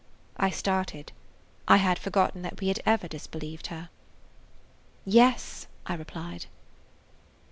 I started. I had forgotten that we had ever disbelieved her. "Yes," I replied.